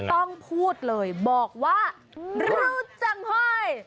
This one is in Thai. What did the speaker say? ต้องพูดเลยบอกว่าร่อยจังห้อย